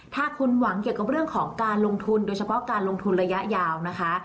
ถ้าคุณหวังเกี่ยวกับเรื่องของการลงทุนโดยเฉพาะการลงทุนระยะยาวนะคะ